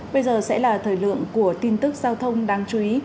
bây giờ sẽ là thời lượng của tin tức giao thông đáng chú ý